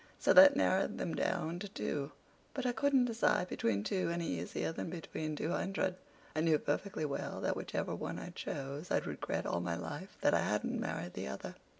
So that narrowed them down to two. But I couldn't decide between two any easier than between two hundred. I knew perfectly well that whichever one I chose I'd regret all my life that I hadn't married the other."